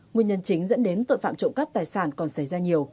nguyên nhân chính dẫn đến tội phạm trộm cắp tài sản còn xảy ra nhiều